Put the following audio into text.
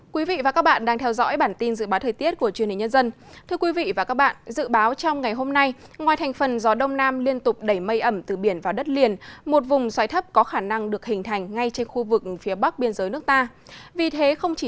các bạn hãy đăng ký kênh để ủng hộ kênh của chúng mình nhé